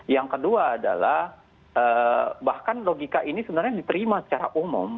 yang kedua adalah bahkan logika ini sebenarnya diterima secara umum